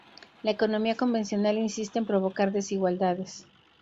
la economía convencional insiste en provocar desigualdades